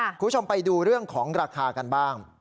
คุณผู้ชมไปดูเรื่องของราคากันบ้าง